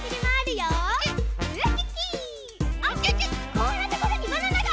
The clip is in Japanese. あっこんなところにバナナが！